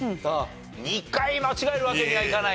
２回間違えるわけにはいかないですからね。